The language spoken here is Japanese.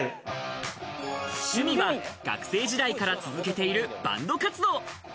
趣味は学生時代から続けているバンド活動。